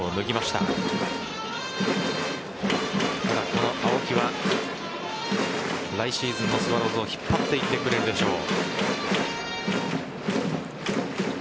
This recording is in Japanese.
ただ、この青木は来シーズンもスワローズを引っ張っていってくれるでしょう。